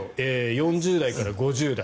４０代から５０代。